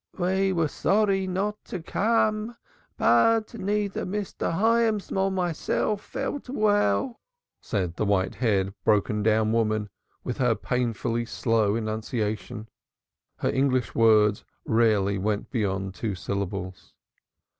"We were sorry not to come, but neither Mr. Hyams nor myself felt well," said the white haired broken down old woman with her painfully slow enunciation. Her English words rarely went beyond two syllables.